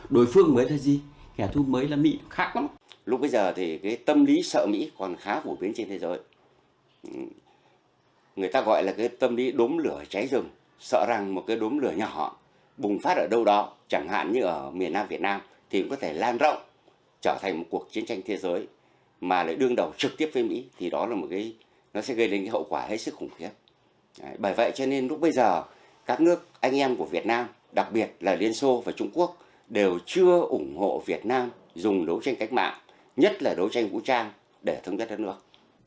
đảng lao động việt nam dùng đấu tranh cách mạng nhất là đấu tranh vũ trang để thống nhất đất nước